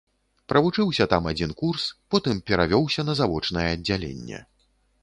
Правучыўся там адзін курс, потым перавёўся на завочнае аддзяленне.